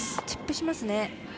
チップしますね。